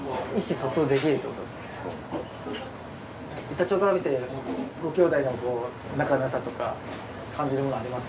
板長から見てご兄弟の仲のよさとか感じるものあります？